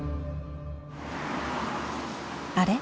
あれ？